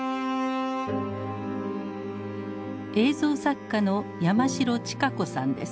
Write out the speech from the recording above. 映像作家の山城知佳子さんです。